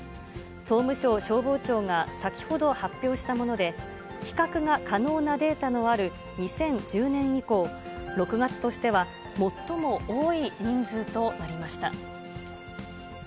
総務省消防庁が先ほど発表したもので、比較が可能なデータのある２０１０年以降、６月としては最も多い人数となりました。